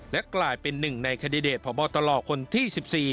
และกลายเป็นหนึ่งในแคนดิเดตพบตลคนที่๑๔